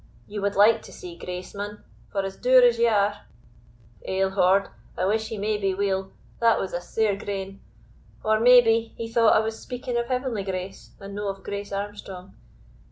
Ye wad like to see Grace, man, for as dour as ye are Eh, Lord I I wish he may be weel, that was a sair grane! or, maybe, he thought I was speaking of heavenly grace, and no of Grace Armstrong.